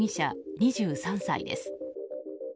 ２３歳です。